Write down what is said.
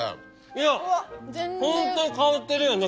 いやホントに香ってるよね。